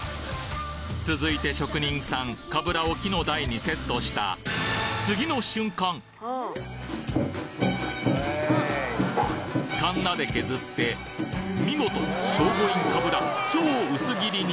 続いて職人さんかぶらを木の台にセットしたかんなで削って見事聖護院かぶら超薄切りに！